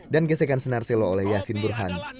dan gesekan senar selo oleh yassin burhan